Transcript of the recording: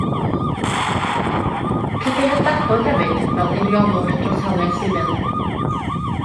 Caiff ei hadnabod hefyd fel eiriolwr dros hawliau sifil.